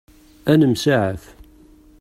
Ad nemsaɛaf.